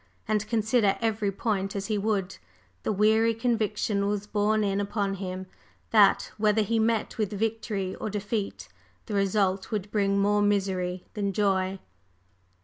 And consider every point as he would, the weary conviction was borne in upon him that, whether he met with victory or defeat, the result would bring more misery than joy.